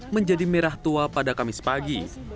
menjadi merah tua pada kamis pagi